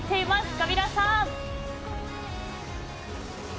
カビラさん。